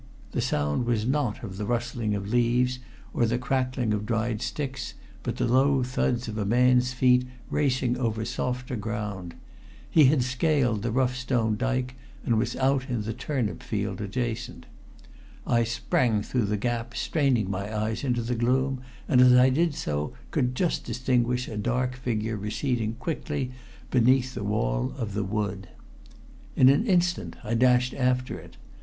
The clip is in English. The sound was not of the rustling of leaves or the crackling of dried sticks, but the low thuds of a man's feet racing over softer ground. He had scaled the rough stone dyke and was out in the turnip field adjacent. I sprang through the gap, straining my eyes into the gloom, and as I did so could just distinguish a dark figure receding quickly beneath the wall of the wood. In an instant I dashed after it.